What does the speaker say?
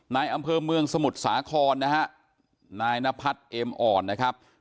นายอำเภอเมืองสมุทรสาครนะฮะนายนพัฒน์เอ็มอ่อนนะครับ